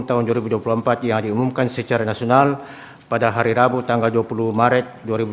tahun dua ribu dua puluh empat yang diumumkan secara nasional pada hari rabu tanggal dua puluh maret dua ribu dua puluh